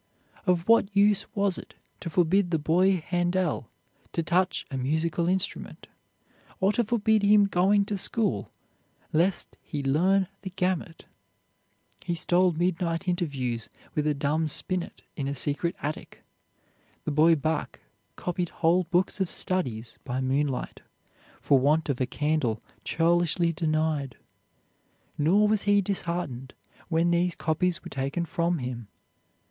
Of what use was it to forbid the boy Handel to touch a musical instrument, or to forbid him going to school, lest he learn the gamut? He stole midnight interviews with a dumb spinet in a secret attic. The boy Bach copied whole books of studies by moonlight, for want of a candle churlishly denied. Nor was he disheartened when these copies were taken from him.